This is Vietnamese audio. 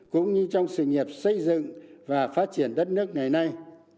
cũng như trong sự nghiệp xây dựng và phát triển đất nước ngày nay